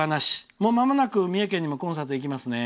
もうまもなく三重県にもコンサートで行きますね。